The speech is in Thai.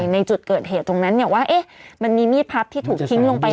ในจุดเกิดเหตุว่ามีดพับที่ถูกทิ้งลงไป